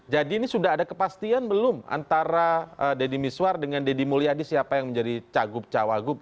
jadi ini sudah ada kepastian belum antara deddy miswar dengan deddy mulyadi siapa yang menjadi cagup cawagup